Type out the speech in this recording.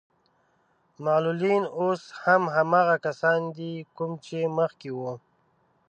معلولين اوس هم هماغه کسان دي کوم چې مخکې وو.